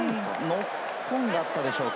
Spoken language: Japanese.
ノックオンがあったでしょうか。